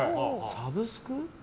サブスク？